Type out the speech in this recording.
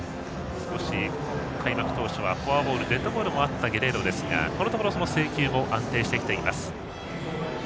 開幕当初はフォアボールデッドボールもあったゲレーロですが、このところは制球も安定してきています。